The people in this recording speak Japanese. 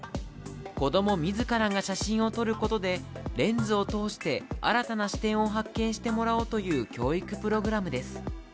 子供自らが写真を撮ることでレンズを通して新たな視点を発見してもらおうという教育プログラムです。